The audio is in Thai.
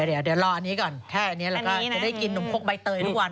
เดี๋ยวเดี๋ยวรออันนี้ก่อนแค่อันนี้แหละก็จะได้กินนมโพกใบเตยด้วยก่อน